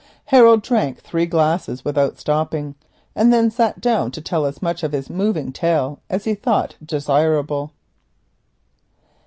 Harold drank three glasses of milk, and then sat down to tell as much of his moving tale as he thought desirable.